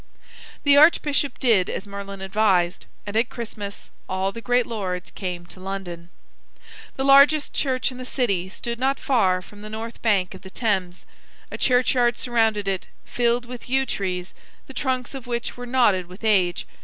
The archbishop did as Merlin advised, and at Christmas all the great lords came to London. The largest church in the city stood not far from the north bank of the Thames. A churchyard surrounded it, filled with yew trees, the trunks of which were knotted with age.